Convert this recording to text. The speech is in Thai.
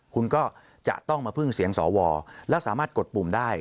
คุณก็จะต้องมาพึ่งเสียงสวแล้วสามารถกดปุ่มได้